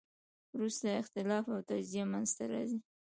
وروسته اختلاف او تجزیه منځ ته راځي.